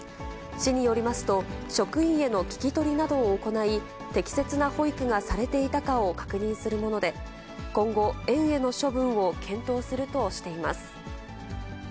市によりますと、職員への聞き取りなどを行い、適切な保育がされていたかを確認するもので、今後、園への処分を検討するとしています。